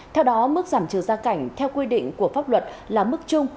theo đó mức giảm trừ gia cảnh theo quy định của pháp luật là mức chung